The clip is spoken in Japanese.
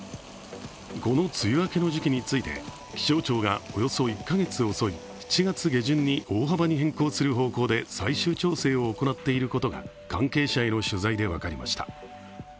この梅雨明けの時期について気象庁がおよそ１カ月遅い７月下旬に大幅に変更する方向で最終調整を行っていることが関係者への取材で分かりました。